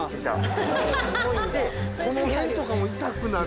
この辺とかも痛くなるな。